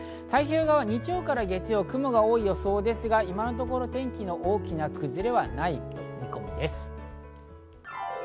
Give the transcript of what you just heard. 太平洋側は日曜から月曜、雲が多い予想ですが、今のところ天気の大きな崩れはない見込みです。